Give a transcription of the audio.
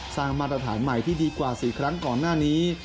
มาตรฐานใหม่ที่ดีกว่า๔ครั้งก่อนหน้านี้